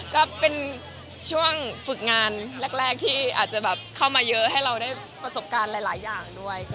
ก็เป็นช่วงฝึกงานแรกที่อาจจะแบบเข้ามาเยอะให้เราได้ประสบการณ์หลายอย่างด้วย